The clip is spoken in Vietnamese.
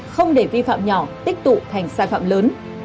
không để vi phạm nhỏ tích tụ thành sai phạm lớn